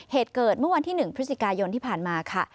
เหตุเกิดเมื่อวันที่๑พฤศจิกายนที่ผ่านมาค่ะ